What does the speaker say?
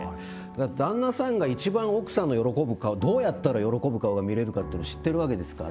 旦那さんが一番奥さんの喜ぶ顔どうやったら喜ぶ顔が見れるかっての知ってるわけですから。